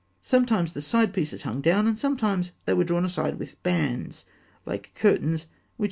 Sometimes the sidepieces hung down, and sometimes they were drawn aside with bands, like curtains, and showed the coffin.